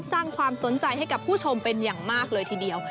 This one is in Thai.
สร้างความสนใจให้กับผู้ชมเป็นอย่างมากเลยทีเดียว